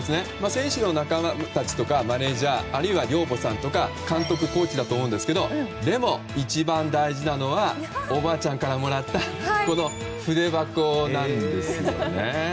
選手の仲間たちとかマネジャーあるいは寮母さんとか監督、コーチだと思うんですがでも、一番大事なのはおばあちゃんからもらったこの筆箱なんですよね。